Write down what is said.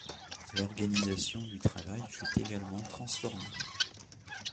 L'organisation du travail fut également transformée.